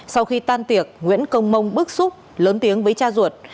sau khi tan tiệc nguyễn công mông bức xúc lớn tiếng với cha ruột